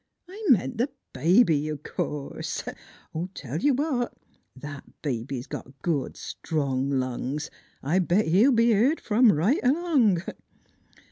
I meant th' baby, o' course ! Tell you what ! that baby's got good strong lungs; I bet he'll be heared from, right along."